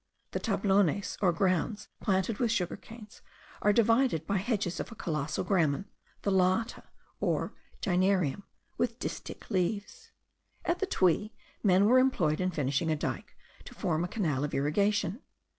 The tablones, or grounds planted with sugar canes, are divided by hedges of a colossal gramen; the lata, or gynerium, with distich leaves. At the Tuy, men were employed in finishing a dyke, to form a canal of irrigation.